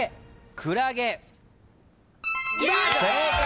正解。